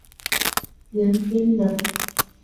袁彬人。